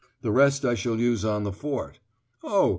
The rest I shall use on the Fort. Oh!